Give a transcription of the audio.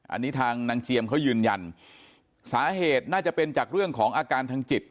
อันนี้ทางนางเจียมเขายืนยันสาเหตุน่าจะเป็นจากเรื่องของอาการทางจิต